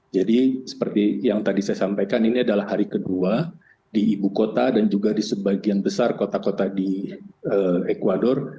jadi seperti yang tadi saya sampaikan ini adalah hari kedua di ibu kota dan juga di sebagian besar kota kota di ecuador